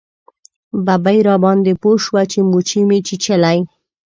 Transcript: ببۍ راباندې پوه شوه چې موچۍ مې چیچلی.